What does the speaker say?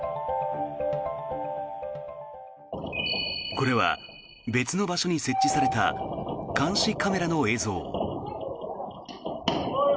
これは別の場所に設置された監視カメラの映像。